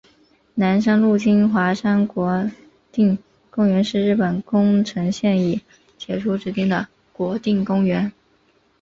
南三陆金华山国定公园是日本宫城县已解除指定的国定公园。